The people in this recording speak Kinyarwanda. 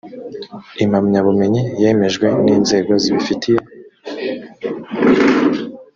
impamyabumenyi yemejwe n’inzego zibifitiye